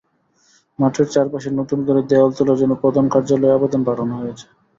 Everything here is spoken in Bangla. মাঠের চারপাশে নতুন করে দেয়াল তোলার জন্য প্রধান কার্যালয়ে আবেদন পাঠানো হয়েছে।